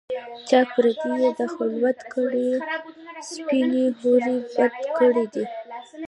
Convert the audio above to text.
چاک پردې یې د خلوت کړه سپیني حوري، بد ګړی دی